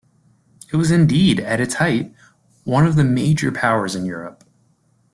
It was indeed, at its height, one of the major powers in Europe.